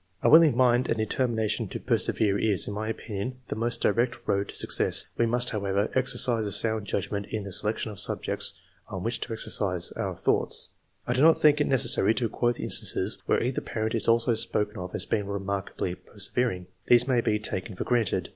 A willing mind and determination to persevere is, in my opinion, the most direct road to success; we must, however, exercise a sound judgment in the selection of subjects on which to exercise our thoughts/' I do not think it necessary to quote the instances where either parent is also spoken of as being remarkably persevering ; these may be taken for granted.